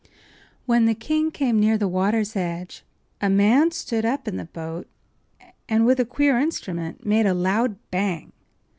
When the king came near the water’s edge a man stood up in the boat and with a queer instrument made a loud “bang!